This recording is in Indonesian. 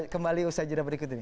kembali usaha jurnal berikut ini